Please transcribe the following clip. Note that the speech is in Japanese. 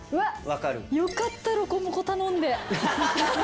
よかったロコモコ頼んで。